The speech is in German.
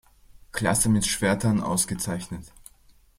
Klasse mit Schwertern ausgezeichnet.